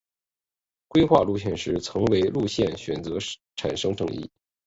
规划路线时曾为了路线选择产生争议。